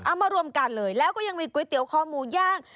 มารวมกันเลยแล้วก็ยังมีก๋วยเตี๋ยวคอหมูย่าง